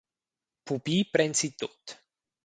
Pupi pren si tut.